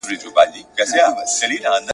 زه د حق په نوم راغلی زه له خپلي ژبي سوځم ,